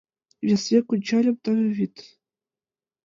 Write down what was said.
Вес век ончальым - таве вӱд.